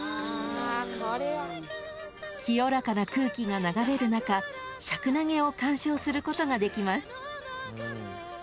［清らかな空気が流れる中シャクナゲを観賞することができます］